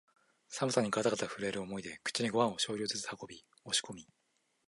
寒さにがたがた震える思いで口にごはんを少量ずつ運び、押し込み、